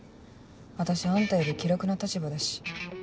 私あんたより気楽な立場だし。